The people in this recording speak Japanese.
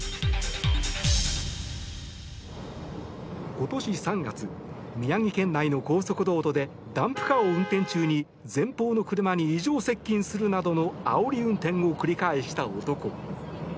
今年３月宮城県内の高速道路でダンプカーを運転中に前方の車に異常接近するなどのあおり運転を繰り返した男。